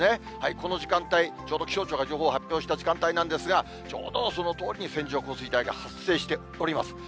この時間帯、ちょうど気象庁が情報発表した時間帯なんですが、ちょうどそのとおりに線状降水帯が発生しております。